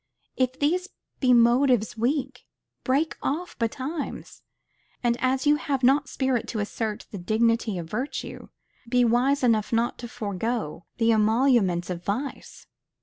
"If these be motives weak, break off betimes;" and as you have not spirit to assert the dignity of virtue, be wise enough not to forego the emoluments of vice.